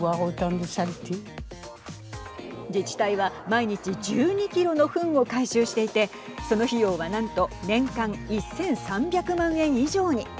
自治体は毎日１２キロのふんを回収していてその費用は何と年間１３００万円以上に。